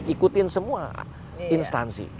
ikutin semua instansi